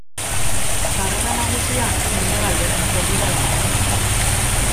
Sarrera nagusia mendebalderantz begira dago.